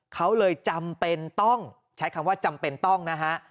เขาเลยจำเป็นต้องใช้คำว่าจำเป็นต้องนะฮะ